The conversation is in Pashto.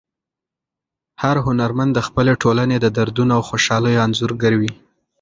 هر هنرمند د خپلې ټولنې د دردونو او خوشحالیو انځورګر وي.